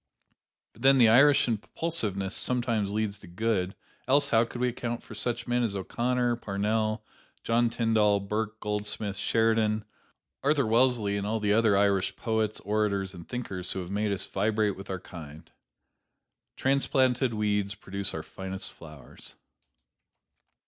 But then the Irish impulsiveness sometimes leads to good, else how could we account for such men as O'Connor, Parnell, John Tyndall, Burke, Goldsmith, Sheridan, Arthur Wellesley and all the other Irish poets, orators and thinkers who have made us vibrate with our kind? Transplanted weeds produce our finest flowers.